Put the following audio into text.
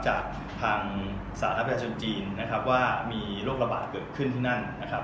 จากทางสาธารณประชาชนจีนนะครับว่ามีโรคระบาดเกิดขึ้นที่นั่นนะครับ